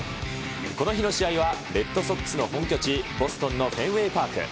この日の試合は、レッドソックスの本拠地、ボストンのフェンウェイパーク。